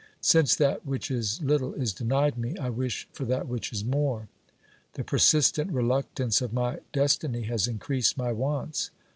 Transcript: Since that which is little is denied me, I wish for that which is more. The persistent reluctance of my destiny has increased my wants.